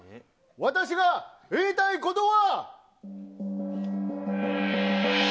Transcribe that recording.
私が言いたいことは。